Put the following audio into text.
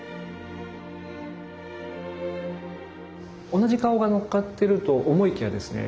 同じ顔がのっかってると思いきやですね